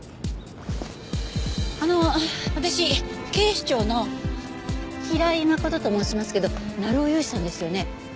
あの私警視庁の平井真琴と申しますけど鳴尾勇志さんですよね？